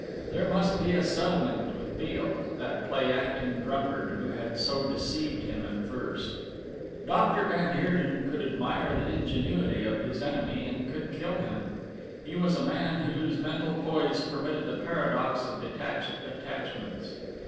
There must be a settlement with Beale, that play acting drunkard, who had so deceived him at first. Dr. van Heerden could admire the ingenuity of his enemy and could kill him. He was a man whose mental poise permitted the paradox of detached attachments.